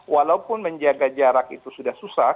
walaupun menjaga jarak itu sudah susah